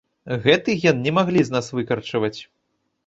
Гэты ген не маглі з нас выкарчаваць.